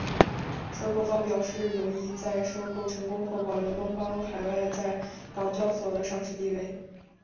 收购方表示有意在收购成功后保留东方海外在港交所的上市地位。